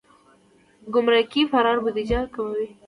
ګمرکي فرار بودیجه کموي.